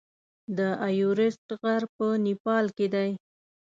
د ایورسټ غر په نیپال کې دی.